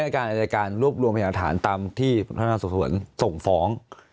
พนักงานอาจารย์การรวบรวมพยาบาทธานตามที่พนักงานส่วนส่งฟ้อง